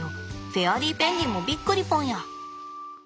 フェアリーペンギンもびっくりぽんや。